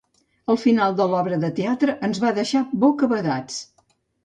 El final de l'obra de teatre ens va deixar bocabadats